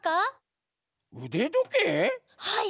はい！